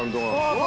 うわ！